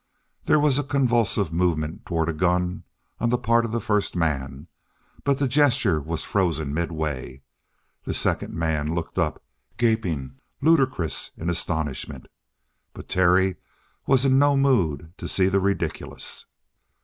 There was a convulsive movement toward a gun on the part of the first man, but the gesture was frozen midway; the second man looked up, gaping, ludicrous in astonishment. But Terry was in no mood to see the ridiculous.